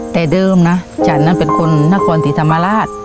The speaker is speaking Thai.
แต่เดิมนะฉันนั้นเป็นคนนครศรีธรรมราช